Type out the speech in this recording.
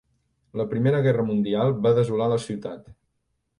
La Primera Guerra Mundial va desolar la ciutat.